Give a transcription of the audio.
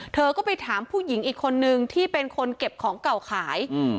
เธอก็ไปถามผู้หญิงอีกคนนึงที่เป็นคนเก็บของเก่าขาย